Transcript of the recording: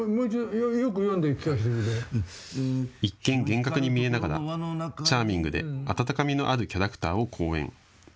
一見、厳格に見えながらチャーミングで温かみのあるキャラクターを好演。